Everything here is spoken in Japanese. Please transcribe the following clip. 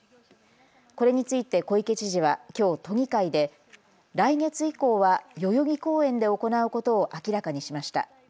これについて小池知事はきょう都議会で来月以降は代々木公園で行うことを明らかにしました。